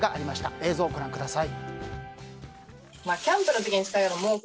映像をご覧ください。